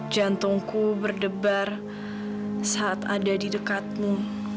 jantungku berdebar saat ada di dekatmu